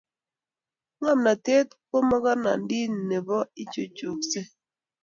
ngomnatet ko makornandit Nemo ichuchuksei